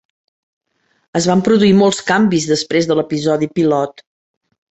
Es van produir molts canvis després de l'episodi pilot.